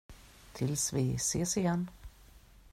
Tills vi ses igen.